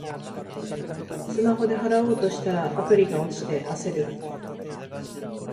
スマホで払おうとしたら、アプリが落ちて焦る